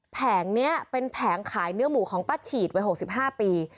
แผงเนี้ยเป็นแผงขายเนื้อหมูของป้าฉีดไว้หกสิบห้าปี